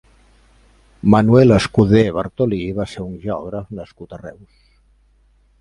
Manuel Escudé Bartolí va ser un geògraf nascut a Reus.